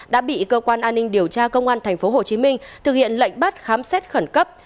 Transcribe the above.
đã bị cơ quan an ninh điều tra công an tp hcm thực hiện lệnh bắt khám xét khẩn cấp